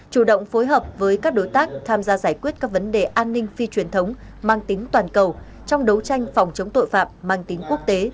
chủ động phối hợp với các đối tác tham gia giải quyết các vấn đề an ninh phi truyền thống mang tính toàn cầu trong đấu tranh phòng chống tội phạm mang tính quốc tế